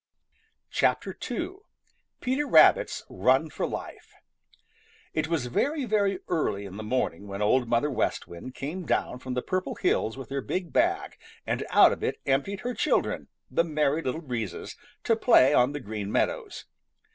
II. PETER RABBIT'S RUN FOR LIFE |IT was very, very early in the morning when Old Mother West Wind came down from the Purple Hills with her big bag and out of it emptied her children, the Merry Little Breezes, to play on the Green Meadows.